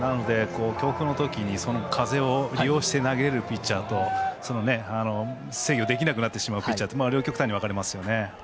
強風のときに風を利用して投げるピッチャーと制御できなくなってしまうピッチャーと両極端に分かれますよね。